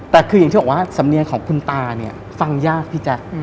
แต่คืออย่างที่บอกว่าสำเนียงของคุณตาเนี่ยฟังยากพี่แจ๊ค